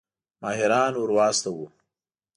ماهران ورواستوو.